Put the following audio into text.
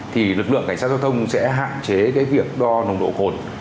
thì lực lượng cảnh sát giao thông sẽ hạn chế cái việc đo nồng độ cồn